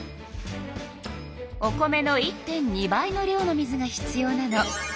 お米の１．２倍の量の水が必要なの。